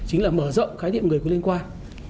chính là mở rộng khái niệm người có liên quan